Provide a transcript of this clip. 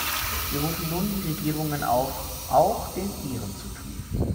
Wir rufen nun die Regierungen auf, auch den ihren zu tun.